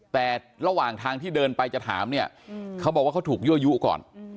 แต่ระหว่างทางที่เดินไปจะถามเนี่ยเขาบอกว่าเขาถูกยั่วยุก่อน